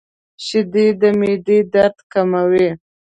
• شیدې د معدې درد کموي.